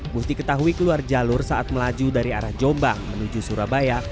bus diketahui keluar jalur saat melaju dari arah jombang menuju surabaya